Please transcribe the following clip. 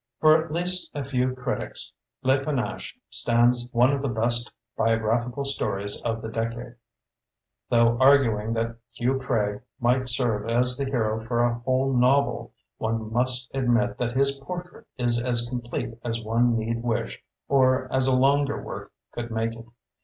For at least a few critics "Le Pa nache" stands one of the best bio graphical stories of the decade. Though arguing that Hugh Craig might serve as the hero for a whole novel, one must admit that his portrait is as complete as one need wish or as a longer work could make it.